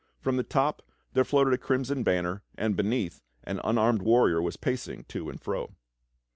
From the top there floated a crimson banner, and beneath, an unarmed warrior was pacing to and fro.